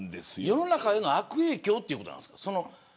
世の中への悪影響ということなんですか。